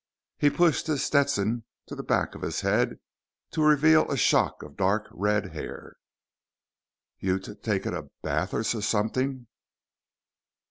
He pushed his Stetson to the back of his head to reveal a shock of dark red hair. "You t taking a bath or s something?"